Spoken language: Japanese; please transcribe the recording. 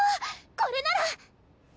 これなら！